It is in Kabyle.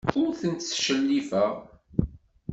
Ur tent-ttcellifeɣ.